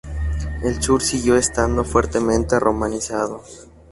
El sur siguió estando fuertemente romanizado.